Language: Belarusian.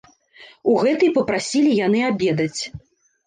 У гэтай папрасілі яны абедаць.